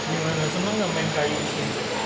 di mana semua nggak main kayu sih